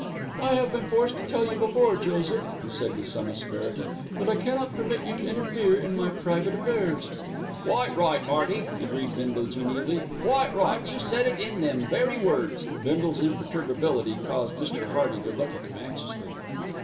"I have been forced to tell you before, Joseph," he said with some asperity, "that I cannot permit you to interfere in my private affairs." "Quite right, 'Earty," agreed Bindle genially, "quite right, you said it in them very words." Bindle's imperturbability caused Mr. Hearty to look at him anxiously.